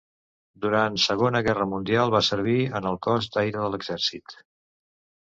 Durant Segona Guerra Mundial, va servir en el Cos d'Aire de l'Exèrcit.